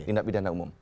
tindak pidana umum